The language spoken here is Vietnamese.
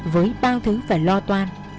với bao thứ phải lo toan